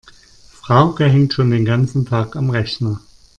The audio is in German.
Frauke hängt schon den ganzen Tag am Rechner.